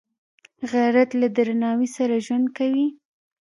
غیرت له درناوي سره ژوند کوي